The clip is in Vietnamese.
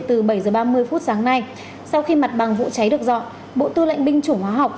từ bảy h ba mươi phút sáng nay sau khi mặt bằng vụ cháy được dọn bộ tư lệnh binh chủng hóa học